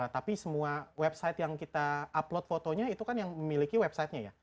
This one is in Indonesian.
tapi semua website yang kita upload fotonya itu kan yang memiliki websitenya ya